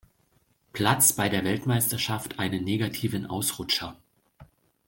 Platz bei der Weltmeisterschaft einen negativen Ausrutscher.